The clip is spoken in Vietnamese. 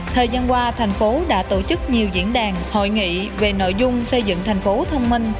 thời gian qua thành phố đã tổ chức nhiều diễn đàn hội nghị về nội dung xây dựng thành phố thông minh